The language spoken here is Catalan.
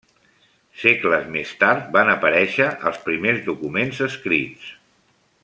Segles més tard, van aparèixer els primers documents escrits.